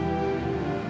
aku mau balik